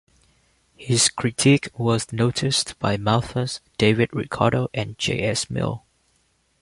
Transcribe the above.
His critique was noticed by Malthus, David Ricardo and J. S. Mill.